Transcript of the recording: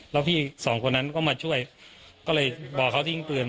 แล้วพี่สองคนนั้นก็มาช่วยก็เลยบอกเขาทิ้งปืน